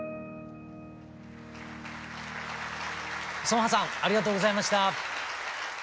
成河さんありがとうございました。